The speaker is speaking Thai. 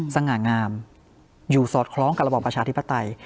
สง่างามอยู่สอดคล้องกับระบอบประชาธิปไตย